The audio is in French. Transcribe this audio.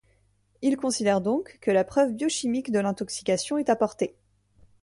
Il considère donc que la preuve biochimique de l'intoxication est apportée.